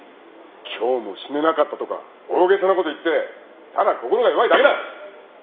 今日も死ねなかったとか大げさなこと言ってただ心が弱いだけだ。